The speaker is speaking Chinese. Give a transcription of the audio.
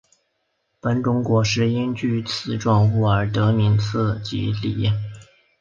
本种果实因具刺状物而得名刺蒺藜。